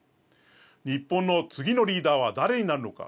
日本の次のリーダーは誰になるのか。